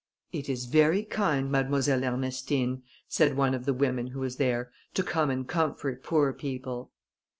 "It is very kind, Mademoiselle Ernestine," said one of the women who was there, "to come and comfort poor people."